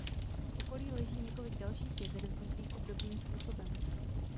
V okolí leží několik dalších jezer vzniklých obdobným způsobem.